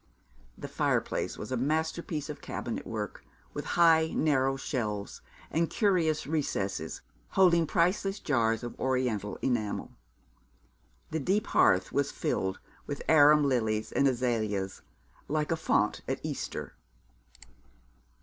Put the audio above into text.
The fireplace was a masterpiece of cabinet work, with high narrow shelves, and curious recesses holding priceless jars of Oriental enamel. The deep hearth was filled with arum lilies and azalias, like a font at Easter.